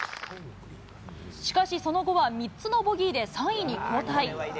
しかし、その後は３つのボギーで３位に後退。